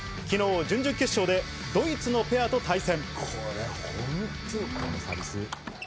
昨日、準々決勝でドイツのペアと対戦。